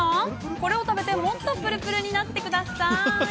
これを食べて、もっとぷるぷるになってください。